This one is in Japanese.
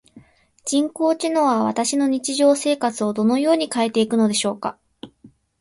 人工知能は私の日常生活をどのように変えていくのでしょうか？